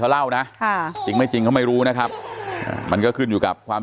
เขาเล่านะค่ะจริงไม่จริงเขาไม่รู้นะครับมันก็ขึ้นอยู่กับความ